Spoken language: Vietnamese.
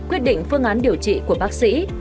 quyết định phương án điều trị của bác sĩ